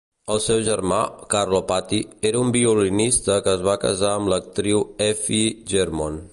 El seu germà, Carlo Patti, era un violinista que es va casar amb l'actriu Effie Germon.